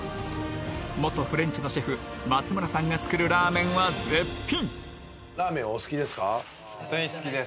元フレンチのシェフ松村さんが作るラーメンは絶品！